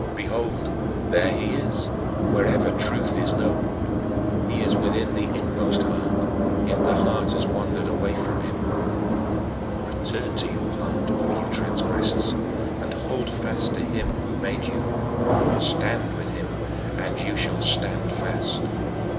Behold, there he is, wherever truth is known. He is within the inmost heart, yet the heart has wandered away from him. Return to your heart, O you transgressors, and hold fast to him who made you. Stand with him and you shall stand fast.